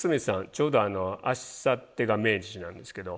ちょうどあさってが命日なんですけど。